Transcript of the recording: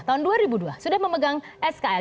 tahun dua ribu dua sudah memegang skl